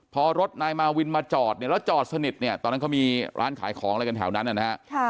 พอรถนายมาวินมาจอดเนี่ยแล้วจอดสนิทเนี่ยตอนนั้นเขามีร้านขายของอะไรกันแถวนั้นนะฮะ